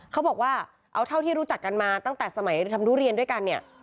เขาบอกว่าเอาเท่าที่รู้จักกันมาตั้งแต่สมัยทำทุเรียนด้วยกันเนี่ย